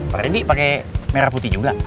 pak reddy pake merah putih juga